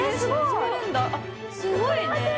すごいね！